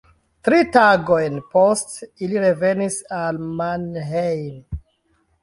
Tri tagojn poste ili revenis al Mannheim.